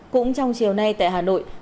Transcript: cũng trong chiều nay tại hà nội